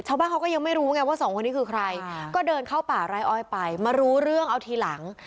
ชาวบ้านเขาก็ยังไม่รู้ไงว่าสองคนนี้คือใครก็เดินเข้าป่าไร้อ้อยไปมารู้เรื่องเอาทีหลัง